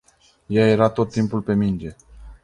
Ea era tot timpul pe minge.